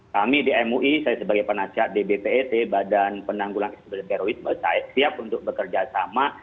kami di mui saya sebagai penasihat dbpet badan penanggulangan terorisme saya siap untuk bekerja sama